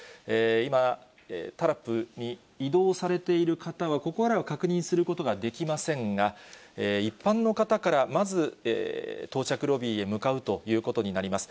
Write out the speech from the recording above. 今、タラップに移動されている方は、ここからは確認することはできませんが、一般の方からまず、到着ロビーへ向かうということになります。